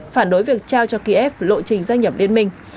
phản đối việc trao cho kiev lộ trình gia nhập liên minh